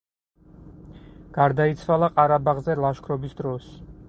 გარდაიცვალა ყარაბაღზე ლაშქრობის დროს.